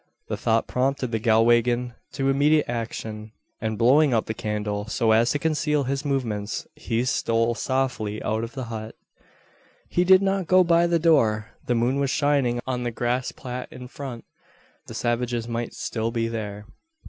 The thought prompted the Galwegian to immediate action; and, blowing out the candle, so as to conceal his movements, he stole softly out of the hut. He did not go by the door. The moon was shining on the grass plat in front. The savages might still be there.